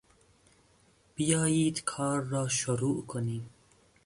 بیایید کار را شروع کنیم!